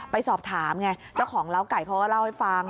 ไปสอบถามไงเจ้าของเล้าไก่เขาก็เล่าให้ฟัง